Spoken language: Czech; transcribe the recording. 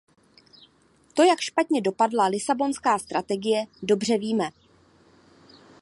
To, jak špatně dopadla Lisabonská strategie, dobře víme.